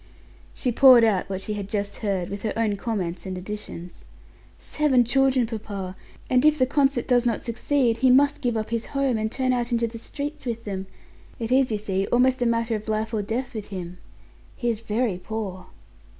She poured out what she had just heard, with her own comments and additions. "Seven children, papa! And if the concert does not succeed he must give up his home, and turn out into the streets with them it is, you see, almost a matter of life or death with him. He is very poor."